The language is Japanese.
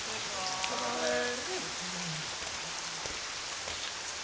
お疲れさまです。